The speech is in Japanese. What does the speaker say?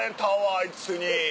あいつに。